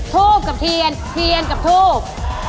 ทูบกับเทียนเทียนกับทูบ